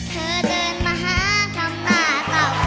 เธอเดินมาหาคำว่าเต่า